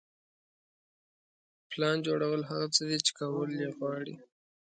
پلان جوړول هغه څه دي چې کول یې غواړئ.